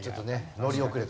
乗り遅れた。